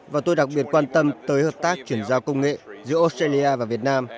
và tôi đặc biệt quan tâm tới hợp tác chuyển giao công nghệ giữa australia và việt nam